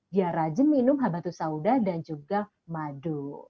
dia rajin minum haba tusauda dan juga madu